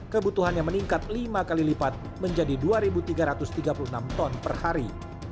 kebutuhannya meningkat lima kali lipat menjadi dua tiga ratus tiga puluh enam ton per hari